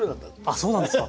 あそうなんですか。